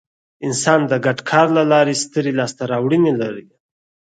انسان د ګډ کار له لارې سترې لاستهراوړنې لرلې.